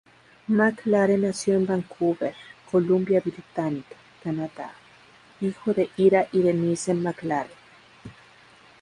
McLaren nació en Vancouver, Columbia Británica, Canadá, hijo de Ira y Denise McLaren.